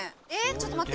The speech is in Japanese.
ちょっと待って。